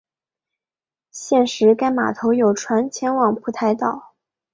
现时该码头有船前往蒲台岛。